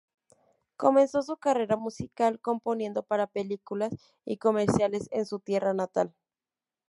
Comenzó su carrera musical componiendo para películas y comerciales en su tierra natal.